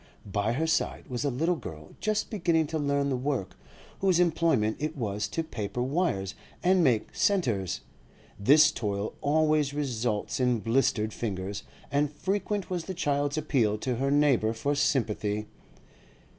By her side was a little girl just beginning to learn the work, whose employment it was to paper wires and make 'centres.' This toil always results in blistered fingers, and frequent was the child's appeal to her neighbour for sympathy.